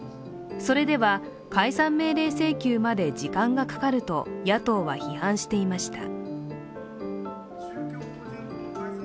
それでは解散命令請求まで、時間がかかると野党は批判していました。